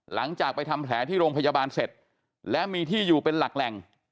หลังจากไปทำแผลที่โรงพยาบาลเสร็จและมีที่อยู่เป็นหลักแหล่ง